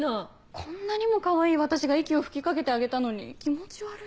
こんなにもかわいい私が息を吹き掛けてあげたのに気持ち悪い？